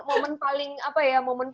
momen paling apa ya